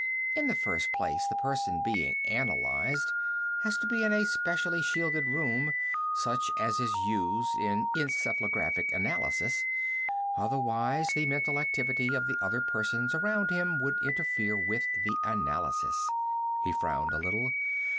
In the first place, the person being analyzed has to be in a specially shielded room, such as is used in encephalographic analysis. Otherwise, the mental activity of the other persons around him would interfere with the analysis." He frowned a little.